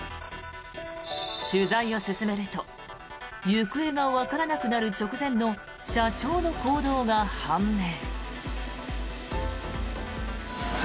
取材を進めると行方がわからなくなる直前の社長の行動が判明。